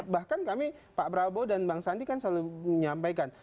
bahkan kami pak prabowo dan bang sandi kan selalu menyampaikan